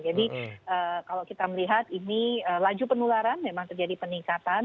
jadi kalau kita melihat ini laju penularan memang terjadi peningkatan